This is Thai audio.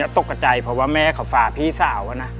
ตกกระใจเพราะว่าแม่เขาฝากพี่สาวอะนะ